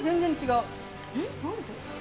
えっ何で？